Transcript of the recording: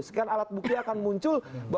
sekian alat bukti akan muncul